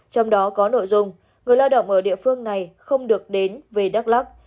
trong đó có nội dung người lao động ở địa phương này không được đến về đắk lắc